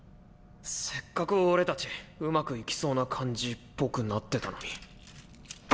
せっかく俺たちうまくいきそうな感じっぽくなってたのに。